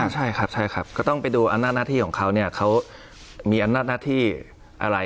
ใช่ครับก็ต้องไปดูอันน่าหน้าที่ของเขาว่าเขามีอันน่าหน้าที่ไม่ใช่